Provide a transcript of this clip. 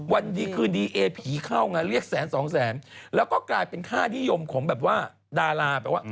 วันดีคืนดีเอผีเข้างานเรียกแสน๒แสนแล้วก็กลายเป็นค่านิยมของดารา